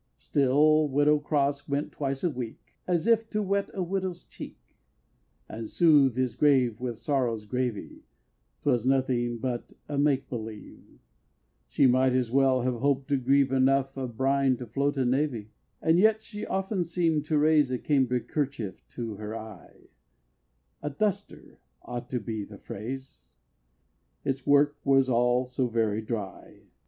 Still Widow Cross went twice a week, As if "to wet a widows' cheek," And soothe his grave with sorrow's gravy 'Twas nothing but a make believe, She might as well have hoped to grieve Enough of brine to float a navy; And yet she often seemed to raise A cambric kerchief to her eye A duster ought to be the phrase, Its work was all so very dry.